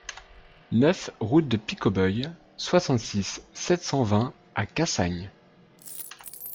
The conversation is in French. neuf route de Picaubeil, soixante-six, sept cent vingt à Cassagnes